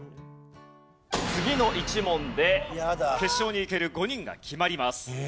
次の１問で決勝に行ける５人が決まります。